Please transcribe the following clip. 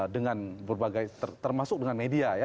dengan berbagai termasuk dengan media ya